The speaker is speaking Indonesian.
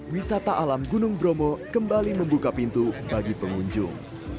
wisata alam gunung bromo kembali membuka pintu bagi pengunjung